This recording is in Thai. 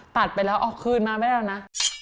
ตัดไปแล้วเอาคืนมาไม่ได้แล้วนะ